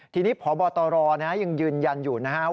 ทีนี้พบตรยังยืนยันอยู่นะครับ